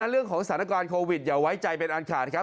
เรื่องของสถานการณ์โควิดอย่าไว้ใจเป็นอันขาดครับ